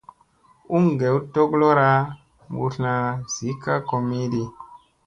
U ngew togolora mbutlna zi ka komiɗi.